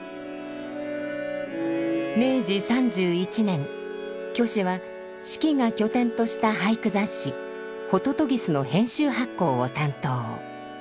明治３１年虚子は子規が拠点とした俳句雑誌「ホトトギス」の編集発行を担当。